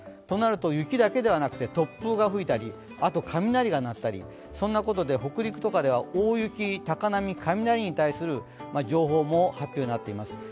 となると雪だけではなくて突風が吹いたり雷が鳴ったりそんなことで北陸とかでは大雪、高波、雷に対する情報も発表になっています。